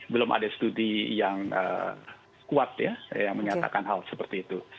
belum ada studi yang kuat ya yang menyatakan hal seperti itu